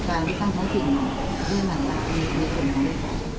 เมื่อมากกว่าของพวกน้องบุลหน้าครับ